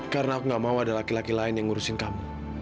karena aku gak mau ada laki laki lain yang ngurusin kamu